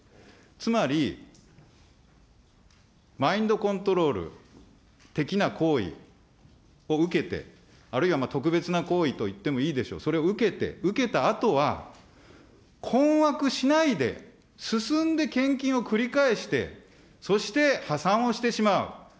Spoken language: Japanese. つまり、マインドコントロール的な行為を受けて、あるいは、特別な行為と言ってもいいでしょう、それを受けて、受けたあとは、困惑しないで、すすんで献金を繰り返して、そして破産をしてしまう。